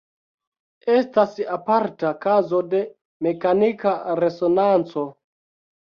Estas aparta kazo de mekanika resonanco.